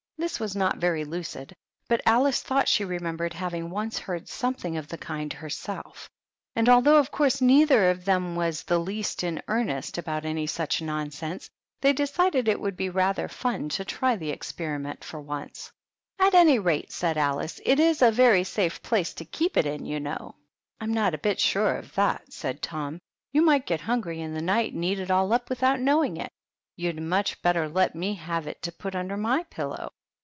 This was not very lucid, but Alice thought she remembered having once heard something of the kind herself; and although, of course, neither of them was the least in earnest about any such nonsense, they decided that it would be rather ftin to try the experiment for once. h 2* 18 PEGGY THE PIG. " At any rate/' said Alice, " it is a very safe place to keep it in, you know." " I'm not a bit sure of that," said Tom. " You might get hungry in the night and eat it all up without knowing it. You'd much better let me have it to put under my pillow.